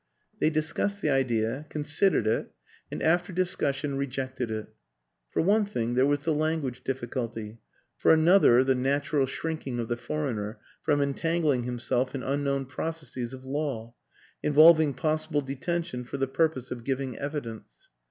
They discussed the idea, considered it, and after discussion rejected it: for one thing, there was the language difficulty, for another the natural shrinking of the foreigner from entangling himself in unknown processes of law involving possible detention for the pur pose of giving evidence.